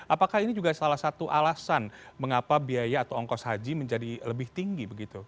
apakah ini juga salah satu alasan mengapa biaya atau ongkos haji menjadi lebih tinggi begitu